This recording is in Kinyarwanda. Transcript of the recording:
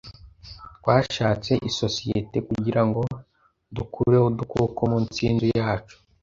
Twashatse isosiyete kugirango dukureho udukoko munsi yinzu yacu.